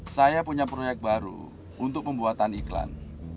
saya punya proyek baru untuk pembuatan iklan